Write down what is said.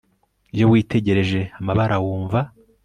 Iyo witegereje amabara wumva